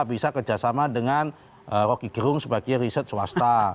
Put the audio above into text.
bisa kerjasama dengan rocky gerung sebagai riset swasta